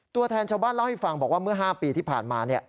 ตัวแทนชาวบ้านเล่าให้ฟังบอกว่าเมื่อ๕ปีที่ผ่านมา